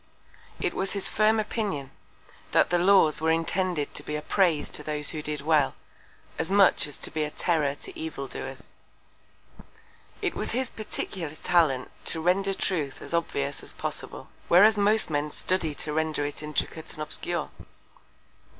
It was his firm Opinion, that the Laws were intended to be a Praise to those who did well, as much as to be a Terror to Evildoers. It was his peculiar Talent to render Truth as obvious as possible: Whereas most Men study to render it intricate and obscure.